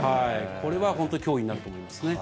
これは本当に脅威になると思いますね。